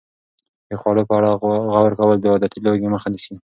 د خوړو په اړه غور کول د عادتي لوږې مخه نیسي.